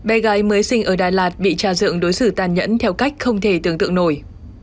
bé gái mới sinh ở đà lạt bị trà dựng đối xử tàn nhẫn theo cách không thể tưởng tượng nổi